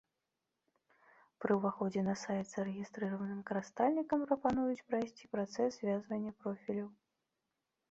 Пры ўваходзе на сайт зарэгістраваным карыстальнікам прапануюць прайсці працэс звязвання профіляў.